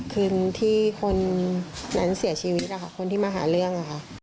คืนที่คนนั้นเสียชีวิตคนที่มาหาเรื่องค่ะ